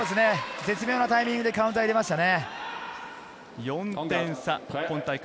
絶妙なタイミングでカウンター入れましたね。